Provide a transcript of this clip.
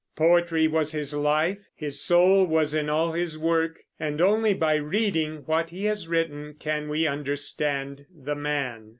Poetry was his life; his soul was in all his work; and only by reading what he has written can we understand the man.